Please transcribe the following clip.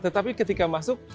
tetapi ketika masuk